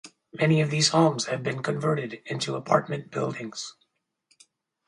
Many of these homes have been converted into apartment buildings.